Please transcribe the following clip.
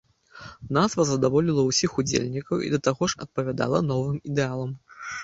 Назва задаволіла ўсіх удзельнікаў і да таго ж адпавядала новым ідэалам.